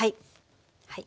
はい。